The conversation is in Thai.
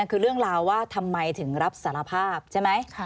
คือเรื่องราวว่าทำไมถึงรับสารภาพใช่ไหม